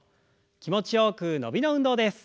気持ちよく伸びの運動です。